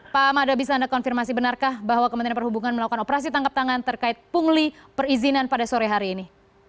pak mada bisa anda konfirmasi benarkah bahwa kementerian perhubungan melakukan operasi tangkap tangan terkait pungli perizinan pada sore hari ini